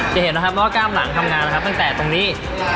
จะเห็นนะครับว่ากล้ามหลังทำงานนะครับตั้งแต่ตรงนี้